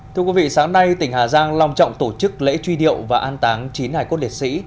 thưa quý vị sáng nay tỉnh hà giang long trọng tổ chức lễ truy điệu và an táng chín hải cốt liệt sĩ